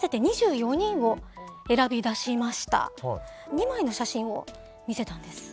２枚の写真を見せたんです。